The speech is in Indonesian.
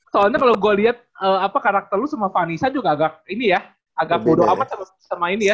soalnya kalo gua liat karakter lu sama fannisa juga agak bodo amat sama ini ya